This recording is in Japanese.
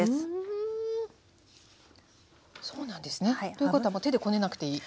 ということは手でこねなくていい。